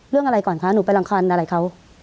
เรื่องอะไรก่อนคะหนูไปรังคันอะไรเขา